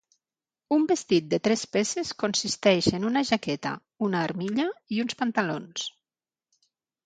Un vestit de tres peces consisteix en una jaqueta, una armilla i uns pantalons.